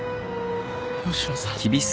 吉野さん！